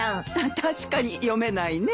確かに読めないねえ。